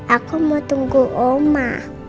aku mau tunggu mama